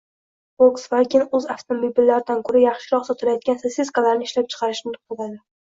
Volkswagen o‘z avtomobillaridan ko‘ra yaxshiroq sotilayotgan sosiskalarini ishlab chiqarishni to‘xtatadi